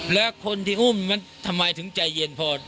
แล้วคนที่อุ้มนั้นทำไมถึงใจเย็นพอ